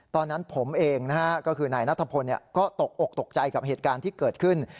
ตอนนั้นผมเองนะฮะก็คือนายนัทพลก็ตกอกตกใจกับเหตุการณ์ที่เกิดขึ้น